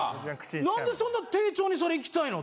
何でそんな丁重にそれいきたいの？